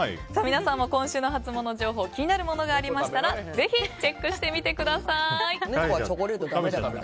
皆さんも今週のハツモノ情報気になるものがありましたらぜひチェックしてみてください。